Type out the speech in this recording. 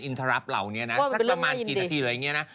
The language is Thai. สักประมาณกี่นาทีรึยัง๔๙๑